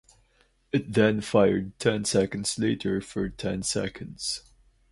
It then fired ten seconds later for ten seconds.